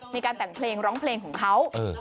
มีการแต่งเพลงร้องเพลงของเขา